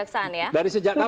apa yang menjadi tersangka